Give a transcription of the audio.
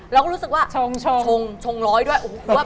เราก็รู้สึกว่าชงชงร้อยด้วยโอ้โห